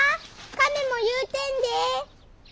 カメも言うてんで！